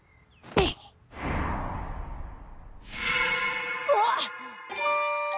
うわっ！